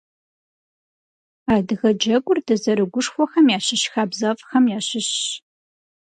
Адыгэ джэгур дызэрыгушхуэхэм ящыщ хабзэфӏхэм ящыщщ.